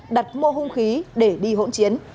đặt mô hung khí để đi hỗn chiến